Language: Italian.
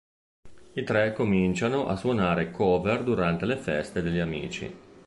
I tre cominciano a suonare cover durante le feste degli amici.